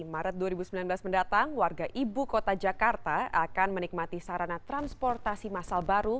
maret dua ribu sembilan belas mendatang warga ibu kota jakarta akan menikmati sarana transportasi masal baru